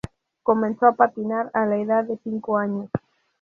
Comenzó a patinar a la edad de cinco años.